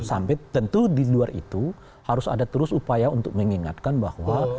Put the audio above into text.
sampai tentu di luar itu harus ada terus upaya untuk mengingatkan bahwa